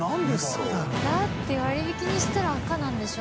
若槻）だって割引にしたら赤なんでしょ？